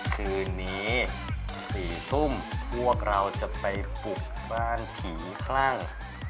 คืนนี้๔ทุ่มพวกเราจะไปปลุกบ้านผีคลั่ง